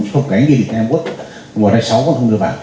không có cái nghị định em quốc của đại sáu còn không được bán